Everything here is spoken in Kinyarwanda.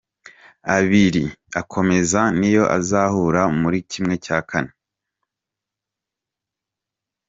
Abiri akomeza niyo azahura muri kimwe cya kane.